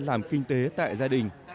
làm kinh tế tại gia đình